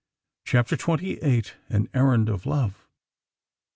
CHAPTER TWENTY EIGHT. AN ERRAND OF LOVE.